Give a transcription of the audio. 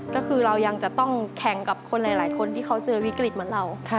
ก็คือเรายังจะต้องแข่งกับคนหลายคนที่เขาเจอวิกฤตเหมือนเรา